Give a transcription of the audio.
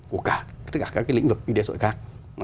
của tất cả các cái lĩnh vực như đế sội khác